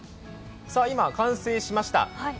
今、完成しました。